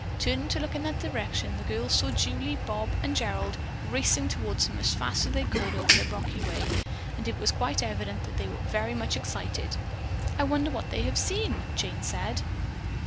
Turning to look in that direction, the girls saw Julie, Bob and Gerald racing toward them as fast as they could over the rocky way, and it was quite evident that they were all very much excited. "I wonder what they have seen?" Jane said.